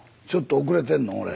ちょっと遅れてんの？